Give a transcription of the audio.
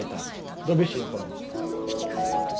ドビュッシーのこの。